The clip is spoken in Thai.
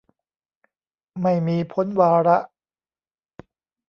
ไม่มีพ้นวาระ